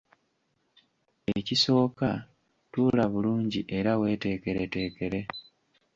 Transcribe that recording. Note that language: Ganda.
Ekisooka, tuula bulungi era weeteekereteekere.